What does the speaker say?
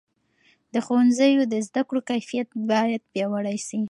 د ښوونځیو د زده کړو کیفیت باید پیاوړی سي.